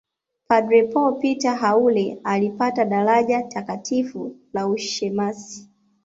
Padre Paul Peter Haule alipata daraja Takatifu la ushemasi